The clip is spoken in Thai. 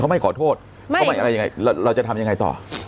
เขาไม่ขอโทษเขาไม่อะไรยังไงเราจะทำยังไงต่อ